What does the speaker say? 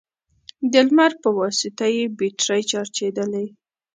د لمر په واسطه يې بېټرۍ چارجېدلې،